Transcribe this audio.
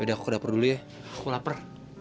ya udah aku ke dapur dulu ya aku lapar